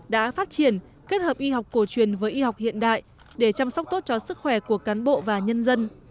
đã phát triển kết hợp y học cổ truyền với y học hiện đại để chăm sóc tốt cho sức khỏe của cán bộ và nhân dân